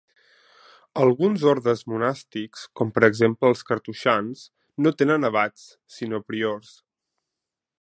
Alguns ordes monàstics, com per exemple els cartoixans, no tenen abats sinó priors.